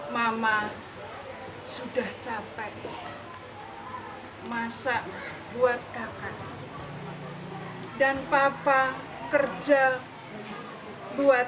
mama sudah capek masak buat kakak dan papa kerja buat